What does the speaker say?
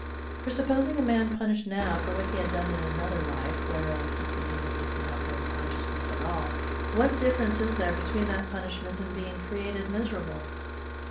For, supposing a MAN punished now for what he had done in another life, whereof he could be made to have no consciousness at all, what difference is there between that punishment and being CREATED miserable?